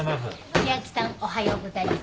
おはようございます。